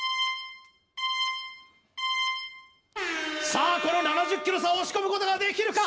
さあこの７０ｋｇ差を押し込むことができるか？